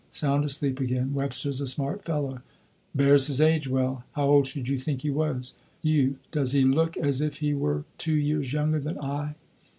(Sound asleep again.) Webster's a smart fellow bears his age well. How old should you think he was? you does he look as if he were two years younger than I?'"